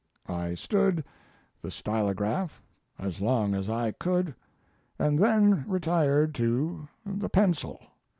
I stood the stylograph as long as I could, and then retired to the pencil.